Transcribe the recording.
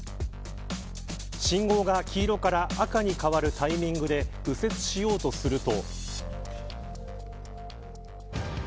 信号が黄色から赤に変わるタイミングで右折しようとすると。